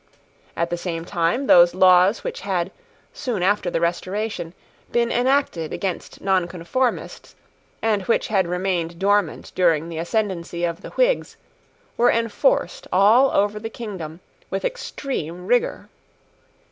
At the same time those laws which had, soon after the Restoration, been enacted against Nonconformists, and which had remained dormant during the ascendency of the Whigs, were enforced all over the kingdom with extreme rigour.